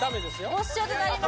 没収となります